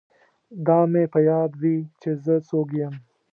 دا مې په یاد وي چې زه څوک یم